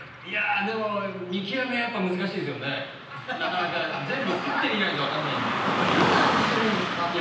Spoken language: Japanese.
いやーでも見極めはやっぱ難しいですよねははははっ全部食ってみないとわかんないんでどんな味するんですか？